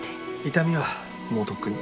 痛みはもうとっくに。